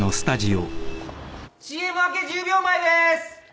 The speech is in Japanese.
ＣＭ明け１０秒前です。